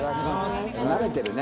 慣れてるね。